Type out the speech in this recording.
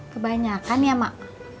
kebanyakan ya mak